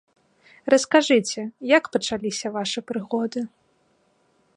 Раскажыце, як пачаліся вашы прыгоды?